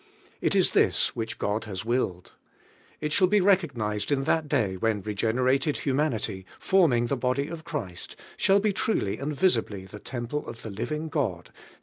It is this which God has willed. It shall be recognized in that day when regenerated humanity, forming the body of Christ, shall be truly and visibly the temple of the living God (II.